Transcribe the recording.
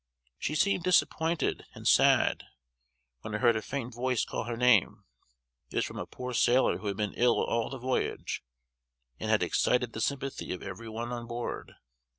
She seemed disappointed and sad; when I heard a faint voice call her name. It was from a poor sailor who had been ill all the voyage, and had excited the sympathy of every one on board.